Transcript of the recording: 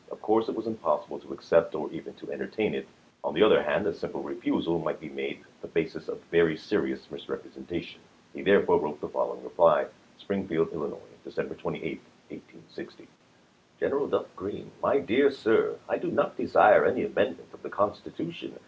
Of course it was impossible to accept or even to entertain it ; on the other hand, a simple refusal might be made the basis of very serious misrepresentation. He therefore wrote the following reply :„ Springfield, III., Dec. 28, 1860. Gen. Duff Green. My Dear Sir : I do not desire any amendment of the Constitution